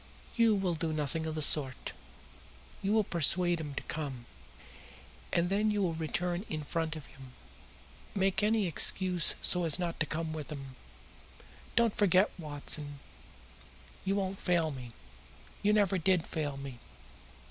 "You will do nothing of the sort. You will persuade him to come. And then you will return in front of him. Make any excuse so as not to come with him. Don't forget, Watson. You won't fail me. You never did fail me.